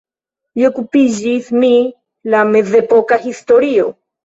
Li okupiĝis mi la mezepoka historio.